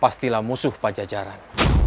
pastilah musuh pak jajaran